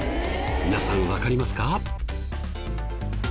皆さんわかりますか？